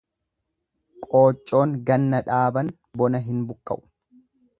Qooccoon ganna dhaaban bona hin buqqa'u.